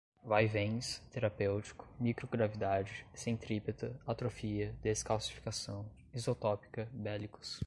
vaivéns, terapêutico, microgravidade, centrípeta, atrofia, descalcificação, isotópica, bélicos